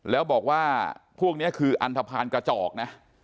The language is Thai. แล้วบอกว่าพวกนี้คืออันทภาณกระจอกนะ